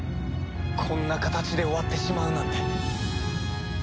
こんな形で終わってしまうなんて。